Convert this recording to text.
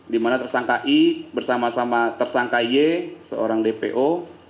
dimana tersangka i bersama sama tersangka y seorang dpo